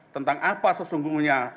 tentang apa sesungguhnya